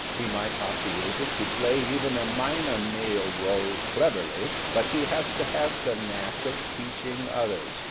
He might not be able to play even a minor male role cleverly, ' but he has to have the .knack of teaching others.